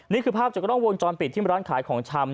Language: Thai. นี่คือภาพจากกล้องวงจรปิดที่ร้านขายของชำ